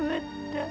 eles eh temananya